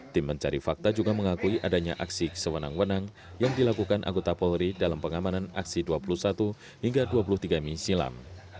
tim mencari fakta juga mengakui adanya aksi sewenang wenang yang dilakukan anggota polri dalam pengamanan aksi dua puluh satu hingga dua puluh tiga mei silam